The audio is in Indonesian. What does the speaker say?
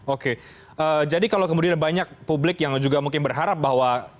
oke jadi kalau kemudian banyak publik yang juga mungkin berharap bahwa